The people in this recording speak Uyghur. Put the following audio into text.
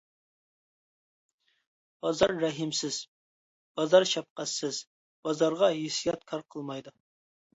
بازار رەھىمسىز، بازار شەپقەتسىز، بازارغا ھېسسىيات كار قىلمايدۇ.